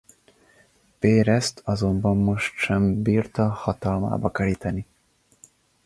Pérezt azonban most sem bírta hatalmába keríteni.